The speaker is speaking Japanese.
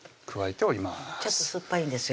ちょっと酸っぱいんですよ